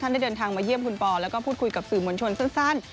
ได้เดินทางมาเยี่ยมคุณปอแล้วก็พูดคุยกับสื่อมวลชนสั้น